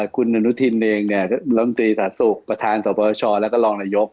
คุณอนุทินเองเนี่ยบริษัทศูกร์ประธานศพชและก็รองนายก